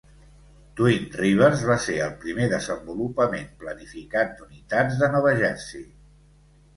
Twin Rivers va ser el primer desenvolupament planificat d'unitats de Nova Jersey.